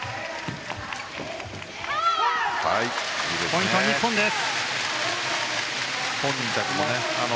ポイント、日本です。